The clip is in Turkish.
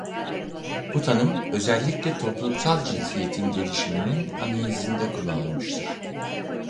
Bu tanım özellikle toplumsal cinsiyetin gelişiminin analizinde kullanılmıştır.